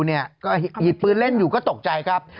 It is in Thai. หยิบปืนเล่นอยู่ก็ตกใจครับ